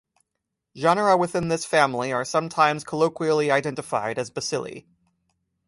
Genera within this family are sometimes colloquially identified as bacilli.